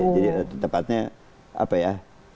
jadi tepatnya apa ya